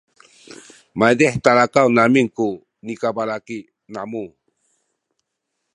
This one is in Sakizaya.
maydih talakaw amin ku nikabalaki namu